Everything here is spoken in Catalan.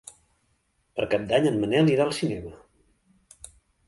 Per Cap d'Any en Manel irà al cinema.